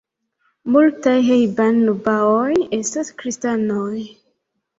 Multaj hejban-nubaoj estas kristanoj.